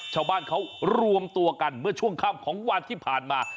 ชาวบ้านเขารวมตัวกันเมื่อช่วงค่ำของวันที่ผ่านมา